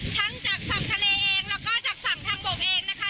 ทั้งจากฝั่งทะเลเองแล้วก็จากฝั่งทางบกเองนะคะ